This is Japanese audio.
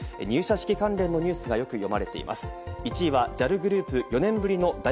入社式関連のニュースがよく読まれています。